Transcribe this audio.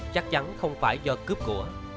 chắc chắn không phải do cướp của